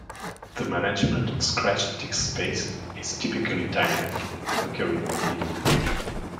The management of scratch disk space is typically dynamic, occurring when needed.